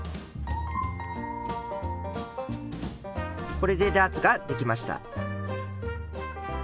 これでダーツができました。